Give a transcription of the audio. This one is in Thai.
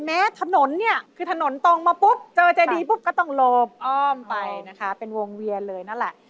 ถนนเนี่ยคือถนนตรงมาปุ๊บเจอเจดีปุ๊บก็ต้องหลบอ้อมไปนะคะเป็นวงเวียนเลยนั่นแหละ